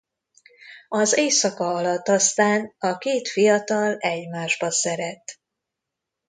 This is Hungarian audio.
Az éjszaka alatt aztán a két fiatal egymásba szeret.